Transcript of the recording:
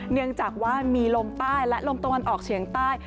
เนื่องจากว่ามีลมใต้และลมตะวันออกเฉียงใต้